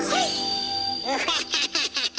ウハハハハハ！